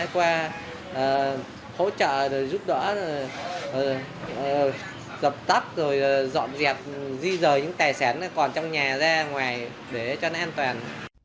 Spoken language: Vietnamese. qua hỗ trợ giúp đỡ dọc tắt dọn dẹp di rời những tài sản còn trong nhà ra ngoài để cho nó an toàn